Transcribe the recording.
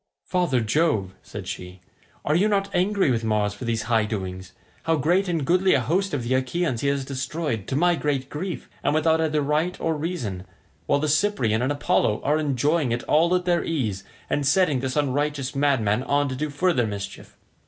"Father Jove," said she, "are you not angry with Mars for these high doings? how great and goodly a host of the Achaeans he has destroyed to my great grief, and without either right or reason, while the Cyprian and Apollo are enjoying it all at their ease and setting this unrighteous madman on to do further mischief.